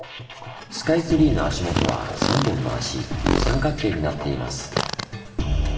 スカイツリーの足元は３本の足三角形になっています。